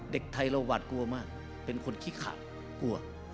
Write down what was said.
เด็กไทยเราหวาดกลัวมากเป็นคนขี้ขาดกลัว